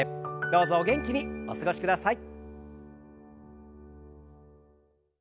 どうぞお元気にお過ごしください。